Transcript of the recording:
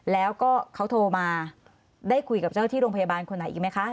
แล้วก็เขาโทรมาได้คุยกับเจ้าที่โรงพยาบาลคนไหนอีกไหมคะ